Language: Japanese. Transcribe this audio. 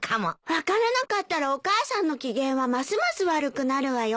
分からなかったらお母さんの機嫌はますます悪くなるわよ。